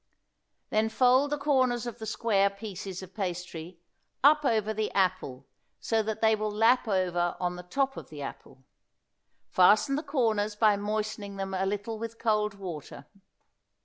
Then fold the corners of the square pieces of pastry up over the apple so that they will lap over on the top of the apple. Fasten the corners by moistening them a little with cold water.